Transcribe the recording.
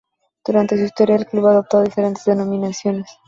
Durante su historia el club ha adoptado diferentes denominaciones.